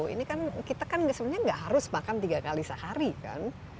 ini kan kita kan sebenarnya nggak harus makan tiga kali sehari kan